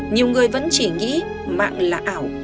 nhiều người vẫn chỉ nghĩ mạng là ảo